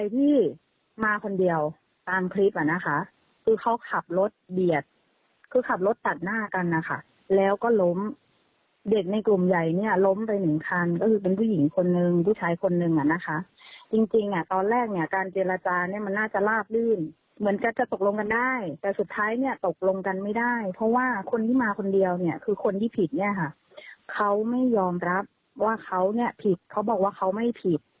ตอนแรกเนี่ยการเจรจาเนี่ยมันน่าจะลากดื่นเหมือนกันจะตกลงกันได้แต่สุดท้ายเนี่ยตกลงกันไม่ได้เพราะว่าคนที่มาคนเดียวเนี่ยคือคนที่ผิดเนี่ยค่ะเขาไม่ยอมรับว่าเขาเนี่ยผิดเขาบอกว่าเขาไม่ผิด